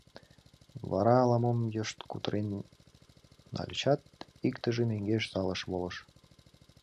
Вара ала-мом йышт кутырен нальычат, иктыже мӧҥгеш залыш волыш.